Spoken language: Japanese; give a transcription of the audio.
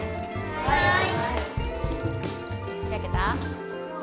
はい。